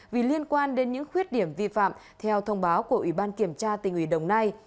vì liên quan đến những khuyết điểm vi phạm theo thông báo của ủy ban kiểm tra tình ủy đồng nai